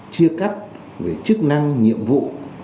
chia cắt về chức năng nhiệm vụ